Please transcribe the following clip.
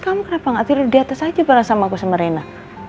kamu kenapa gak tidur di atas aja bareng sama aku semerena